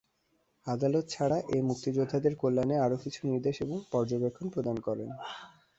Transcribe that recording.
আদালত এ ছাড়া মুক্তিযোদ্ধাদের কল্যাণে আরও কিছু নির্দেশ ও পর্যবেক্ষণ প্রদান করেন।